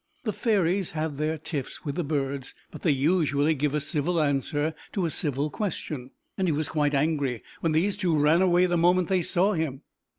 The fairies have their tiffs with the birds, but they usually give a civil answer to a civil question, and he was quite angry when these two ran away the moment they saw him.